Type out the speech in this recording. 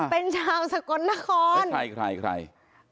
เป็นชาวสกลนครใครใคร